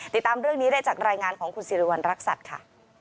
ติดตามเรื่องนี้ได้จากรายงานของคุณสิริวัณรักษัตริย์ค่ะ